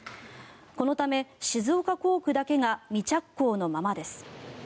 このため静岡工区だけが未着工のままです。